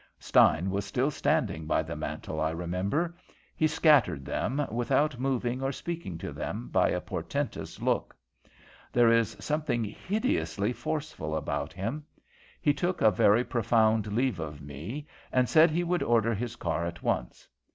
Stein was still standing by the mantel, I remember. He scattered them, without moving or speaking to them, by a portentous look. There is something hideously forceful about him. He took a very profound leave of me, and said he would order his car at once.